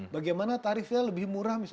bagaimana tarifnya lebih murah